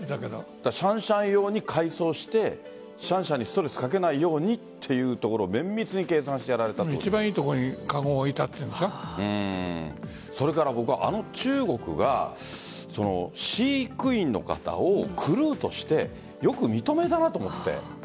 シャンシャン用に改装してシャンシャンにストレスをかけないようにというところを一番いいところにそれから、あの中国が飼育員の方をクルーとしてよく認めたなと思って。